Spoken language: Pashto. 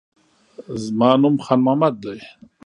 زما نوم خان محمد دی